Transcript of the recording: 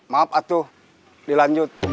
maaf atu dilanjut